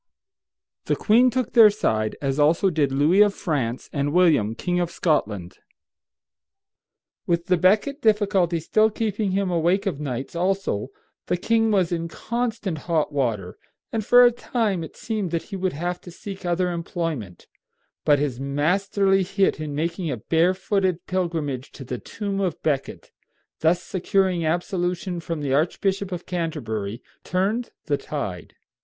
The queen took their side, as also did Louis of France and William, King of Scotland. With the Becket difficulty still keeping him awake of nights also, the king was in constant hot water, and for a time it seemed that he would have to seek other employment; but his masterly hit in making a barefooted pilgrimage to the tomb of Becket, thus securing absolution from the Archbishop of Canterbury, turned the tide.